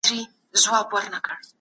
قطره یي اوبو لګولو سیستم ورته جوړېږي.